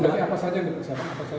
apakah apa saja yang diperiksa